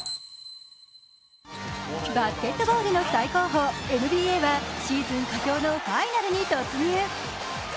バスケットボールの最高峰ＮＢＡはシーズン佳境のファイナルに突入。